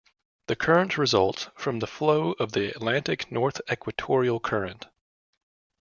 The current results from the flow of the Atlantic North Equatorial Current.